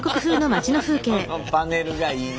このパネルがいいね。